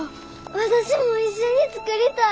私も一緒に作りたい！